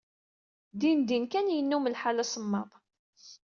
Dindin kan yennum lḥal asemmaḍ.